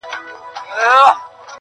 پرون یې بیا له هغه ښاره جنازې وایستې؛